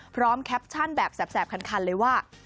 แคปชั่นแบบแสบคันเลยว่า